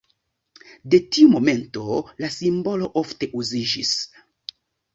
De tiu momento la simbolo ofte uziĝis.